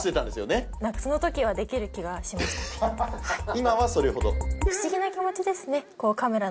今はそれほど？